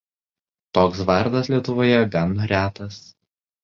Toks vardas Lietuvoje gan retas.